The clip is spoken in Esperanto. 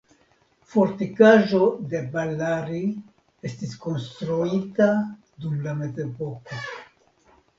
Fortikaĵo de Ballari estis konstruita dum la mezepoko.